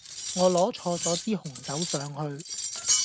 我攞錯咗支紅酒上去